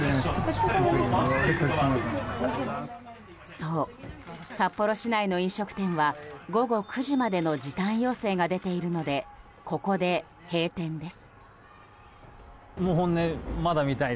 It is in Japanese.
そう、札幌市内の飲食店は午後９時までの時短要請が出ているのでここで閉店です。